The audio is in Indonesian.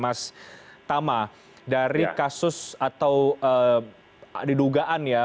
mas tama dari kasus atau didugaan ya